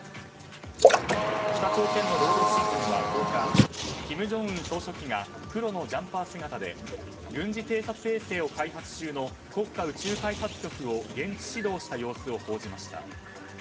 北朝鮮の労働新聞は１０日金正恩総書記が黒のジャンパー姿で軍事偵察衛星を開発中の国家宇宙開発局を現地指導した様子を報じました。